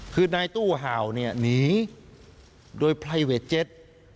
คือนายตู้ห่าวเนี่ยหนีโดยไพรเวทเจ็ต